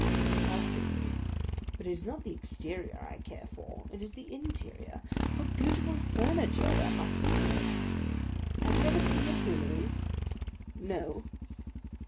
"Possibly; but it is not the exterior I care for, it is the interior. What beautiful furniture there must be in it!" "Have you ever seen the Tuileries?" "No."